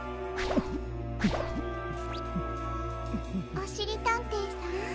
おしりたんていさん